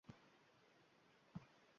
Lochin o‘g‘ri deganlarini bir ko‘rvolaydi.